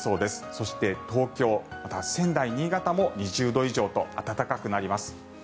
そして東京、また仙台、新潟も２０度以上と暖かくなります。